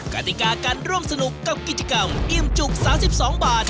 กติกาการร่วมสนุกกับกิจกรรมอิ่มจุก๓๒บาท